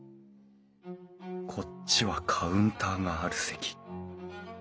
こっちはカウンターがある席。